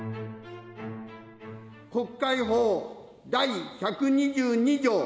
国会法第１２２条